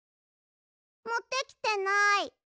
もってきてない。